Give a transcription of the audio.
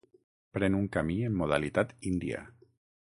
Pren un camí en modalitat índia.